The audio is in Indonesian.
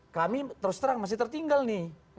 kami terus terang masih tertinggal nih